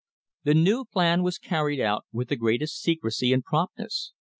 The new plan was carried out with the great est secrecy and promptness.